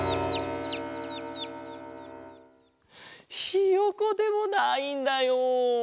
ひよこでもないんだよ。